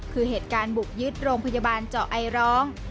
คือเหตุการณ์บุกยึดโรงพยาบาลเจาะไอร้อง